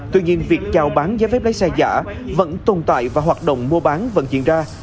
tuy nhiên việc chào bán giấy phép lái xe giả vẫn tồn tại và hoạt động mua bán vẫn diễn ra